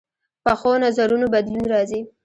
پخو نظرونو بدلون راځي